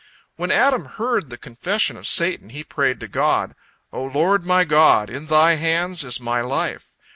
When Adam heard the confession of Satan, he prayed to God: "O Lord my God! In Thy hands is my life.